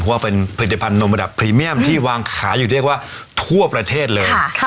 เพราะว่าเป็นผลิตภัณฑนมระดับพรีเมียมที่วางขายอยู่เรียกว่าทั่วประเทศเลย